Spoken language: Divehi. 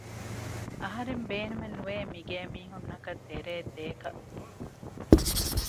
އަހަރެން ބޭނުމެއް ނުވޭ މި ގޭ މީހުންނަކަށް ދެރައެއް ދޭކަށް